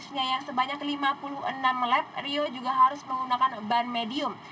yang sebanyak lima puluh enam lab rio juga harus menggunakan ban medium